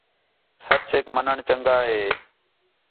سَچیک منّݨ ہی چَنڳا ہے